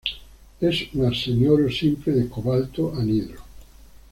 Es un arseniuro simple de cobalto, anhidro.